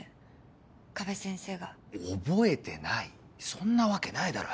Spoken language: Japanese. そんなわけないだろ。